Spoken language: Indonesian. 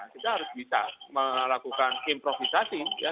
kita harus bisa melakukan improvisasi ya